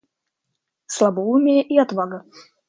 Слабоумие и отвага.